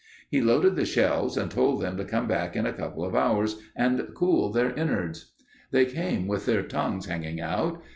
He loaded the shelves and told them to come back in a couple of hours and cool their innards. They came with their tongues hanging out.